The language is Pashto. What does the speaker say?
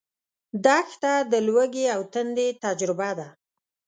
دښته د لوږې او تندې تجربه ده.